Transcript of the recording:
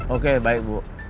oke baik bu